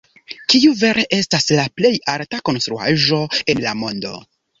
Kiu vere estas la plej alta konstruaĵo en la mondo?